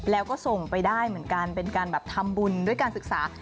แล้วก็ส่งไปได้เหมือนกันเป็นการแบบทำบุญด้วยการศึกษา